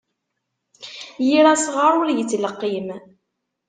Yir asɣar ur yettleqqim.